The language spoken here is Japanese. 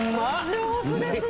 上手ですね。